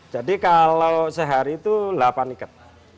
jadi kalau sehari itu lapan ikat